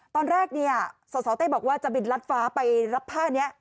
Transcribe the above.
ตอนแรกเนี่ยสสเต้บอกว่าจะบินรัดฟ้าไปรับผ้านี้